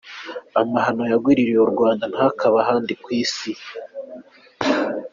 Amahano yagwiriye u Rwanda ntakabe ahandi kw'isi.